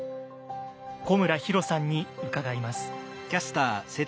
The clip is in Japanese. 古村比呂さんに伺います。